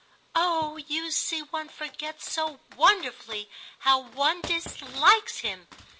"Oh you see one forgets so wonderfully how one dislikes him!"